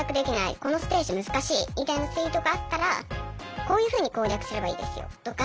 このステージ難しい！」みたいなツイートがあったら「こういうふうに攻略すればいいですよ」とか。